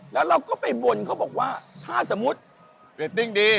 แล้วเราก็ไปบ่นเขาบอกว่าถ้าสมมติ